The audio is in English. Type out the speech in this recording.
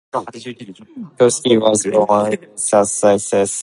Crosskey was born at Lewes, Sussex.